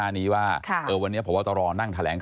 อันนี้ว่าวันนี้พอวัตรอนั่งแถลง